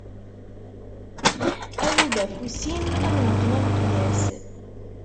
Awi-d afus-im, ad am-neqqen ameqyas.